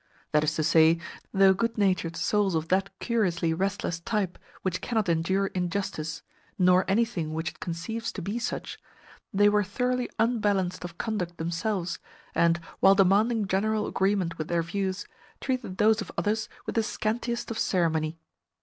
That is to say, though good natured souls of that curiously restless type which cannot endure injustice, nor anything which it conceives to be such, they were thoroughly unbalanced of conduct themselves, and, while demanding general agreement with their views, treated those of others with the scantiest of ceremony.